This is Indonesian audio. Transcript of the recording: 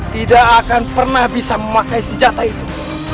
tidak akan pernah bisa memakai senjata itu